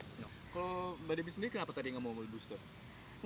kalau mbak debbie sendiri kenapa tadi gak mau ambil booster